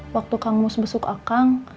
waktu kang mus besuk akang